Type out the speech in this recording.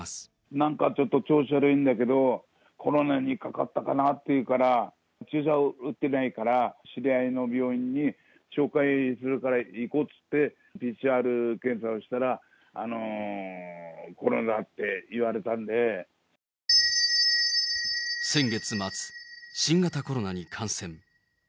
なんかちょっと調子悪いんだけど、コロナにかかったかなって言うから、注射を打ってないから、知り合いの病院に紹介するから行こうって言って、ＰＣＲ検査をしたら、先月末、新型コロナに感染。